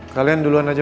kalian duluan aja